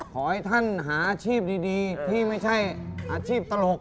ขอให้ท่านหาอาชีพดีที่ไม่ใช่อาชีพตลก